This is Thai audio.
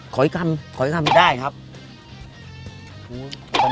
ขออีกคำได้ครับ